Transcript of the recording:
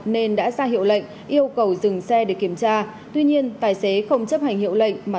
nên đã ra hiệu lệnh yêu cầu dừng xe để kiểm tra tuy nhiên tài xế không chấp hành hiệu lệnh mà